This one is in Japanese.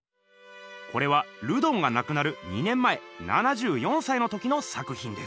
これはルドンがなくなる２年前７４歳の時の作ひんです。